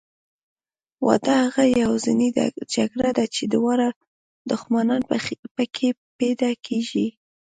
واده هغه یوازینۍ جګړه ده چې دواړه دښمنان پکې بیده کېږي.